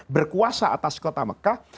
berkuasa atas kota mekah